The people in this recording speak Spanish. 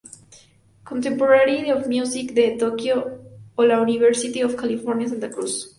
Contemporary of Music" de Tokio, o la University of California Santa Cruz.